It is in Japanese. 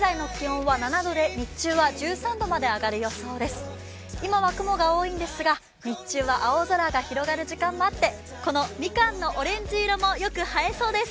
今は雲が多いんですが、日中は青空が広がる時間もあってこのみかんのオレンジ色もよく映えそうです。